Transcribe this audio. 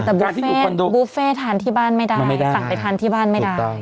แต่บุฟเฟ่บุฟเฟ่ทานที่บ้านไม่ได้สั่งไปทานที่บ้านไม่ได้